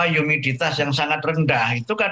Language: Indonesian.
humiditas yang sangat rendah itu kan